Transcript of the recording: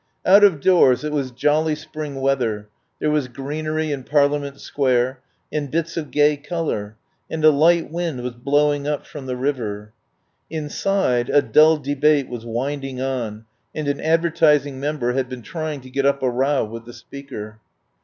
Out of doors it was jolly spring weather, there was greenery in Parliament Square and bits of gay colour, and a light wind was blowing up from the river. Inside a dull debate was winding on, and an advertising member had been trying to get up a row with the Speaker.